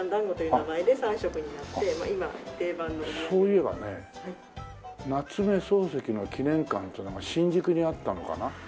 そういえばね夏目漱石の記念館っていうのが新宿にあったのかな？